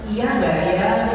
iya enggak ya